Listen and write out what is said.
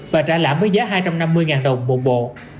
và trả lãm với giá hai trăm năm mươi đồng một bộ